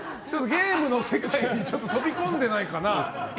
ゲームの世界に飛び込んでないかな。